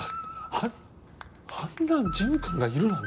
ああんな事務官がいるなんて！